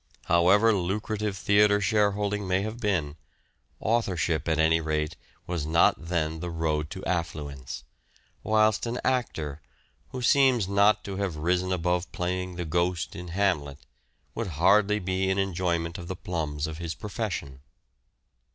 However lucrative theatre share holding may have been, authorship, at any rate, was not then the road to affluence ; whilst an actor, who 426 "SHAKESPEARE" IDENTIFIED seems not to have risen above playing the Ghost in " Hamlet," would hardly be in enjoyment of the plums of his profession.